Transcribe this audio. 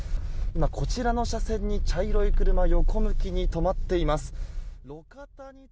こちらの車線に茶色い車が横向きに止まっています。